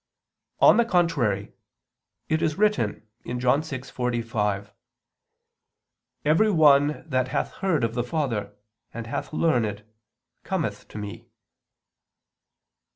On the contrary, It is written (John 6:45): "Every one that hath heard of the Father, and hath learned, cometh to Me."